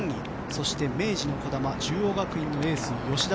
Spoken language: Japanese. そして明治の児玉中央学院のエース、吉田。